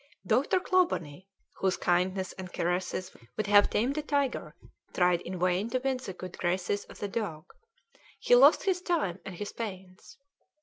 Dr. Clawbonny, whose kindness and caresses would have tamed a tiger, tried in vain to win the good graces of the dog; he lost his time and his pains.